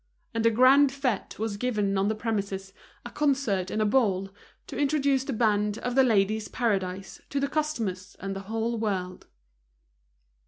And a grand fête was given on the premises, a concert and a ball, to introduce the band of The Ladies' Paradise to the customers and the whole world.